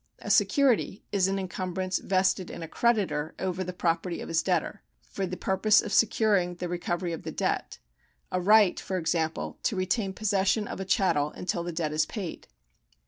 A security is an encumbrance vested in a creditor over the property of his debtor, for the purpose of securing the recovery of the deljt ; a right, for example, to I'ctain possession of a chattel until the debt is paid.